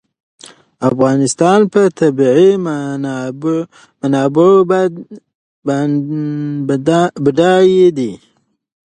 افغانستان په طبیعي منابعو بډای دی.